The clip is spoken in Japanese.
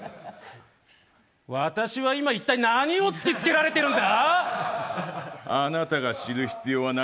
私は今、一体何を突きつけられているんだ？